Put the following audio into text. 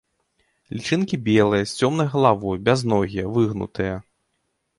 Лічынкі белыя, з цёмнай галавой, бязногія, выгнутыя.